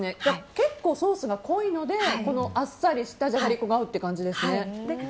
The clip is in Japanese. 結構ソースが濃いのでこのあっさりしたじゃがりこが合うという感じですね。